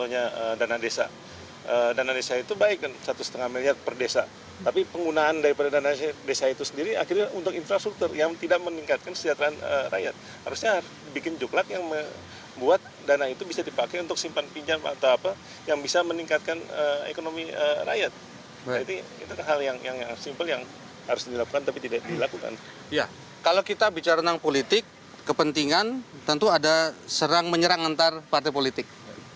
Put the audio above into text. ya kalau kita bicara tentang politik kepentingan tentu ada serang menyerang antar partai politik